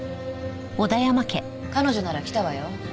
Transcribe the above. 彼女なら来たわよ。